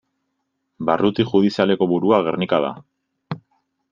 Barruti judizialeko burua Gernika da.